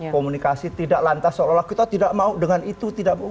komunikasi tidak lantas seolah olah kita tidak mau dengan itu